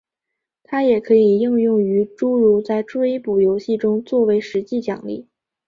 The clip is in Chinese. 它也可以应用于诸如在追捕游戏中做为实际奖励。